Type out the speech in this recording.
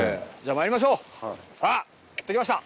さあやって来ました。